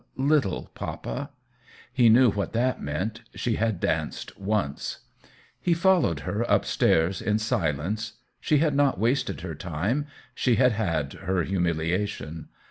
" A little, papa." He knew what that meant — she had danced once. He followed her up stairs in silence ; she had not wasted her time — she had had her humiliation.